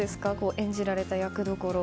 演じられた役どころ。